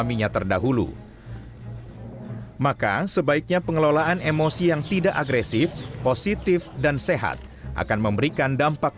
maka sebaiknya pengelolaan emosi yang tidak agresif positif dan sehat akan memberikan dampak